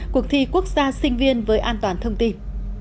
cuộc thi quốc gia sinh viên với an toàn thông tin